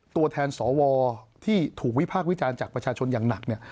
ตัวแทนสวที่ถูกวิพากษ์วิจารณ์จากประชาชนอย่างหนักเนี่ย